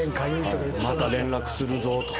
「また連絡するぞ」とか。